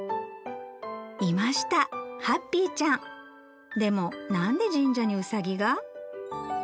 いましたハッピーちゃんでも何で神社にウサギが？